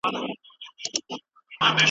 زه د بدن د پاکولو لپاره اوبه ډیر استعمالوم.